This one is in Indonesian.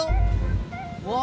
tuh kan bapak